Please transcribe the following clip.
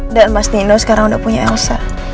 dan mas tino sekarang udah punya elsa